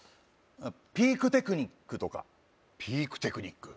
ピークテクニックとかピークテクニック？